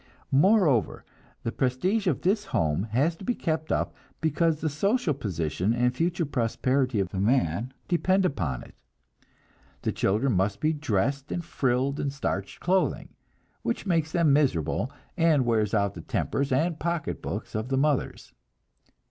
Moreover, the prestige of this home has to be kept up, because the social position and future prosperity of the man depend upon it. The children must be dressed in frilled and starched clothing, which makes them miserable, and wears out the tempers and pocketbooks of the mothers.